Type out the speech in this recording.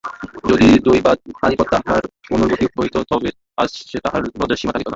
যদি দৈবাৎ কালীপদ তাহার অনুবর্তী হইত তবে আজ যে তাহার লজ্জার সীমা থাকিত না।